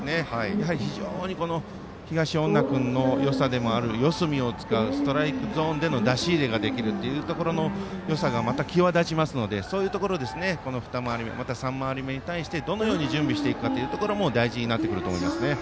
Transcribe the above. やはり非常に東恩納君のよさでもある四隅を使うストライクゾーンでの出し入れができるというよさが際立ちますのでそういうところを２回り目、３回り目に対してどのように準備していくかということも大事になっていくと思います。